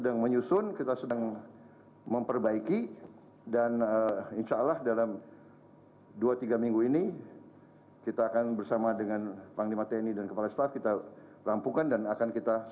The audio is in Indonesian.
yang beliau memberi kepada kita suatu totalitas